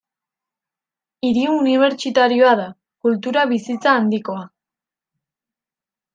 Hiri unibertsitarioa da, kultura bizitza handikoa.